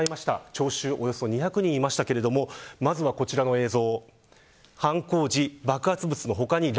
聴衆およそ２００人いましたけれどもまずは、こちらの映像。